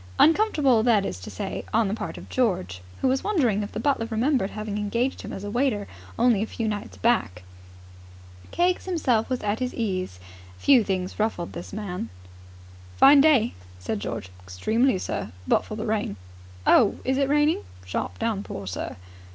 Uncomfortable, that is to say, on the part of George, who was wondering if the butler remembered having engaged him as a waiter only a few nights back. Keggs himself was at his ease. Few things ruffled this man. "Fine day," said George. "Extremely, sir, but for the rain." "Oh, is it raining?" "Sharp downpour, sir."